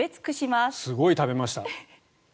すごい食べました。